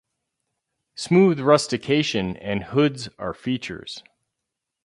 Smooth rustication and hoods are features.